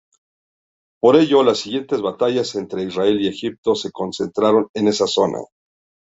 Por ello, las siguientes batallas entre Israel y Egipto se concentraron en esa zona.